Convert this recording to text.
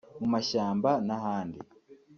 mu mashyamba n’ahandi